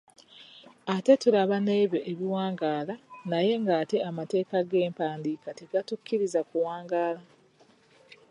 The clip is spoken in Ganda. Ate tulabe n’ebyo ebiwangaala naye ng’ate amateeka g’empandiika tegatukkiriza kuwangaala.